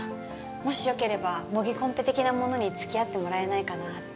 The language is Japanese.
もしよければ模擬コンペ的なものに付き合ってもらえないかなって